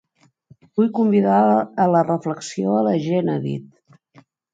Vull convidar a la reflexió a la gent, ha dit.